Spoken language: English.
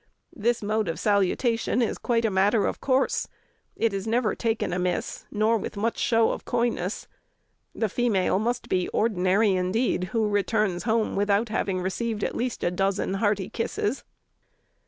This mode of salutation is quite a matter of course; it is never taken amiss, nor with much show of coyness. The female must be ordinary indeed who returns home without having received at least a dozen hearty kisses."